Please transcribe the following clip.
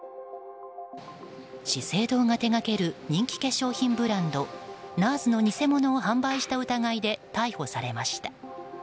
資生堂が手掛ける人気化粧ブランドＮＡＲＳの偽物を販売した疑いで逮捕されました。